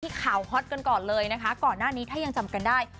ข่าวฮอตกันก่อนเลยนะคะก่อนหน้านี้ถ้ายังจำกันได้